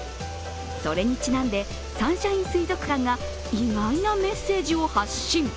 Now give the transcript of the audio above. それにちなんで、サンシャイン水族館が意外なメッセージを発信。